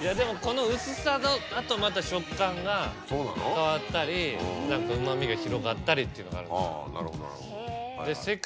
いやでもこの薄さだとまた食感が変わったりうま味が広がったりっていうのがあるんですよ。